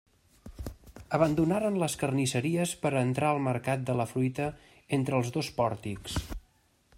Abandonaren les carnisseries per a entrar al mercat de la fruita entre els dos pòrtics.